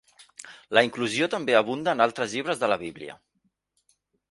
La inclusió també abunda en altres llibres de la Bíblia.